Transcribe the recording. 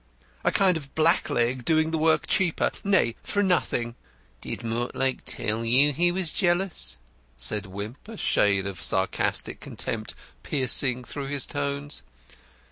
A kind of blackleg doing the work cheaper nay, for nothing." "Did Mortlake tell you he was jealous?" said Wimp, a shade of sarcastic contempt piercing through his tones.